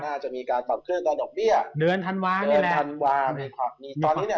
น่าจะมีการต่อขึ้นต้นดอกเบี้ยเดือนธันวานี่แหละเดือนธันวาตอนนี้เนี้ย